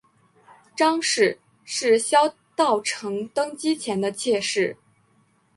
张氏是萧道成登基前的妾室。